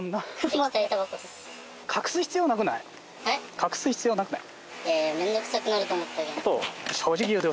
隠す必要なくない？